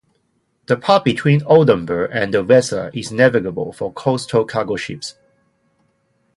The part between Oldenburg and the Weser is navigable for coastal cargo ships.